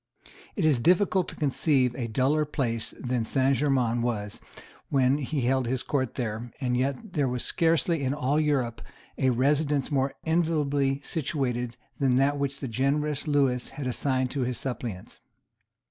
It is difficult to conceive a duller place than Saint Germains was when he held his Court there; and yet there was scarcely in all Europe a residence more enviably situated than that which the generous Lewis had assigned to his suppliants.